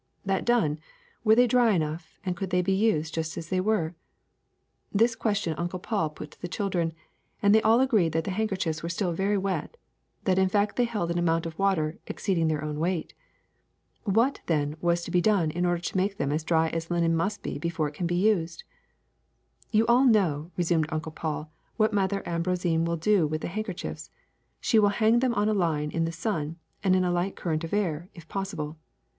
That done, were they dry enough, and could they be used just as they were ! This question Uncle Paul put to the children, and they all agreed that the handkerchiefs w^ere still very wet, that in fact they held an amount of water exceeding their own weight. What, then, was to be done in order to make them as dry as linen must be before it can be used! *^You all know,'' resumed Uncle Paul, ^'what Mother Ambroisine w^ill do to the handkerchiefs: she will hang them on a line in the sun and in a light current of air, if possible.